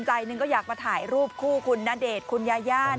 ใจหนึ่งก็อยากมาถ่ายรูปคู่คุณณเดชน์คุณยาย่า